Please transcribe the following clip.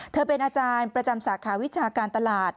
เป็นอาจารย์ประจำสาขาวิชาการตลาด